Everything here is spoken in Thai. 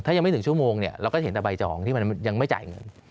ถ้ายังไม่ถึงชั่วโมงเนี่ยเราก็เห็นแต่ใบจองที่มันยังไม่จ่ายเงิน